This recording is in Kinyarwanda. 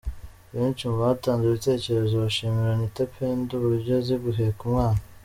Benshi mu batanze ibitekerezo bashimiraga Anita Pendo uburyo azi guheka umwana.